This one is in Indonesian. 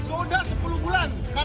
sudah sepuluh bulan